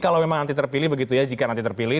kalau memang nanti terpilih begitu ya jika nanti terpilih